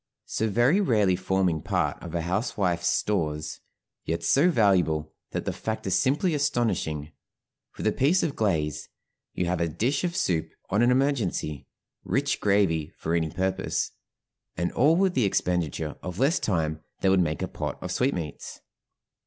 So very rarely forming part of a housewife's stores, yet so valuable that the fact is simply astonishing; with a piece of glaze, you have a dish of soup on an emergency, rich gravy for any purpose, and all with the expenditure of less time than would make a pot of sweetmeats.